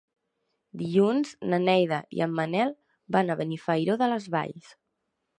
Dilluns na Neida i en Manel van a Benifairó de les Valls.